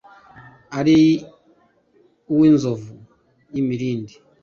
Ari uw’ Inzovu y’ imirindi !